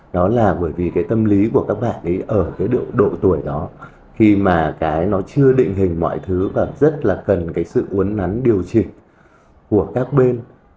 đó là bởi vì cái tâm lý của các bạn ấy ở cái độ tuổi đó khi mà cái nó chưa định hình mọi thứ và rất là cần cái sự uốn nắn điều chỉnh của các bên